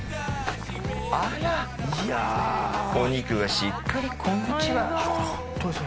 あらお肉がしっかりこんにちは私